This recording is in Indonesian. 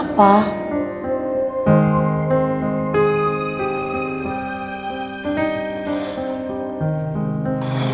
ya kenapa sih